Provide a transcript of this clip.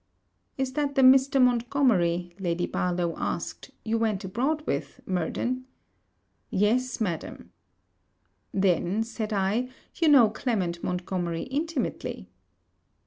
'Is that the Mr. Montgomery,' Lady Barlowe asked, 'you went abroad with, Murden?' 'Yes, madam.' 'Then,' said I, 'you know Clement Montgomery intimately.'